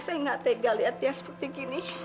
saya nggak tega lihat dia seperti gini